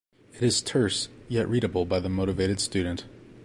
It is terse, yet readable by the motivated student.